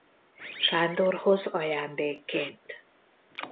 Sándorhoz ajándékként.